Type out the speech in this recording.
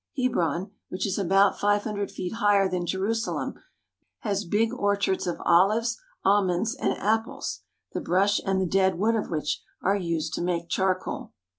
Hebron, which is about five hundred feet higher than Jerusalem, has big orchards of olives, almonds, and ap ples, the brush and the dead wood of which are used to make charcoal.